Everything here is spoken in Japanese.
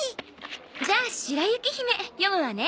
じゃあ『白雪姫』読むわね。